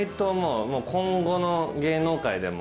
今後の芸能界でも。